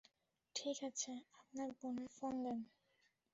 ঠিক আছে, আপনার বোনের ফোন দেন।